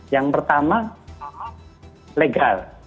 yang pertama legal legalitas